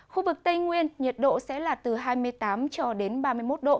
khu vực tây nguyên nhiệt độ sẽ là từ hai mươi tám ba mươi một độ